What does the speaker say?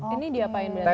ini diapain benar benar